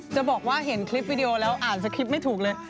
จะบอกว่าเห็นคลิปวิดีโอแล้วอ่านสคริปต์ไม่ถูกเลย